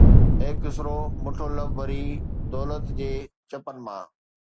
اي خسرو مٺو لب وري دولت جي چپن مان